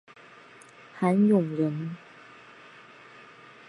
韩永人。